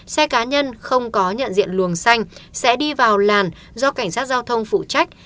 xe cá nhân không có nhận diện luồng xanh sẽ đi vào làn do cảnh sát giao thông phụ trách